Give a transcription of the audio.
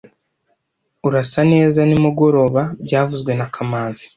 Urasa neza nimugoroba byavuzwe na kamanzi